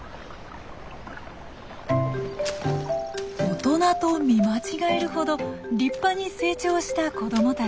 大人と見間違えるほど立派に成長した子どもたち。